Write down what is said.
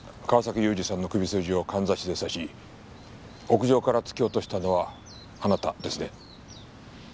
川崎雄二さんの首筋をかんざしで刺し屋上から突き落としたのはあなたですね？